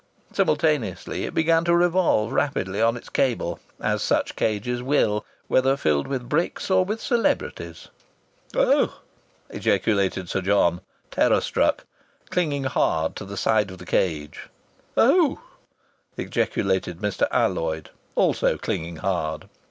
Simultaneously it began to revolve rapidly on its cable, as such cages will, whether filled with bricks or with celebrities. "Oh!" ejaculated Sir John, terror struck, clinging hard to the side of the cage. "Oh!" ejaculated Mr. Alloyd, also clinging hard.